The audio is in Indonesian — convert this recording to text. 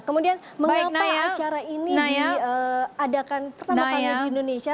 kemudian mengapa acara ini diadakan pertama kali di indonesia